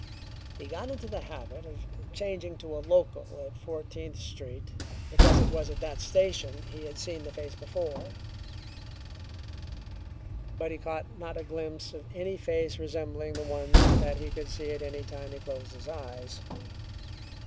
He got into the habit of changing to a local at Fourteenth Street because it was at that station he had seen the face before, but he caught not a glimpse of any face resembling the one that he could see at any time he closed his eyes.